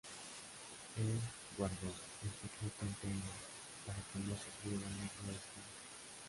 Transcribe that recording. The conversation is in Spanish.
Él guardó el secreto ante ella, para que no sufriera el mismo destino.